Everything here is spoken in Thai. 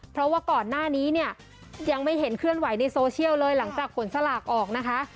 เพราะว่าก่อนหน้านี้เนี่ยยังไม่เห็นเคลื่อนไหวในโซเชียลเลยหลังจากผลสลากออกนะคะ